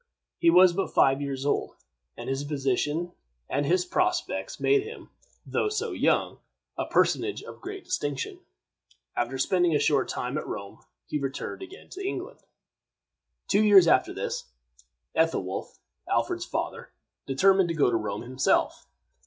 He was but five years old; but his position and his prospects made him, though so young, a personage of great distinction. After spending a short time at Rome, he returned again to England. Two years after this, Ethelwolf, Alfred's father, determined to go to Rome himself.